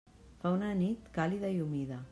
Fa una nit càlida i humida.